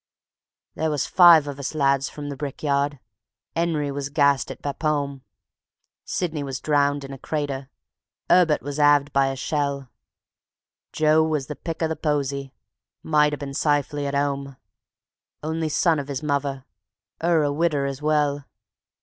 There was five of us lads from the brickyard; 'Enry was gassed at Bapome, Sydney was drowned in a crater, 'Erbert was 'alved by a shell; Joe was the pick o' the posy, might 'a bin sifely at 'ome, Only son of 'is mother, 'er a widder as well.